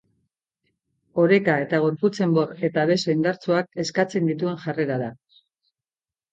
Oreka eta gorputz-enbor eta beso indartsuak eskatzen dituen jarrera da.